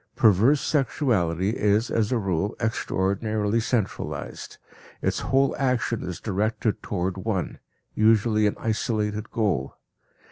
Perverse sexuality is as a rule extraordinarily centralized, its whole action is directed toward one, usually an isolated, goal.